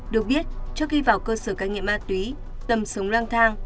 được biết trước khi vào cơ sở cai nghiện ma túy tầm sống lang thang